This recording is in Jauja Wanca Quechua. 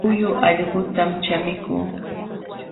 Huyu allqutam chamikuu